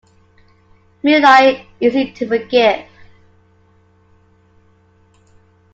Moonlight' easy to forgive.